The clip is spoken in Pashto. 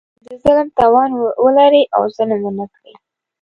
چې د ظلم توان ولري او ظلم ونه کړي.